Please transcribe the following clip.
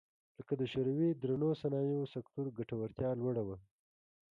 لکه د شوروي درنو صنایعو سکتور ګټورتیا لوړه وه